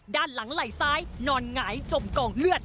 ด้านหลังไหล่ซ้ายนอนหงายจมกองเลือด